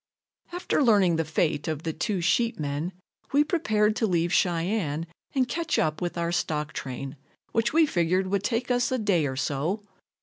After learning the fate of the two sheepmen we prepared to leave Cheyenne and catch up with our stock train, which we figured would take us a day or so.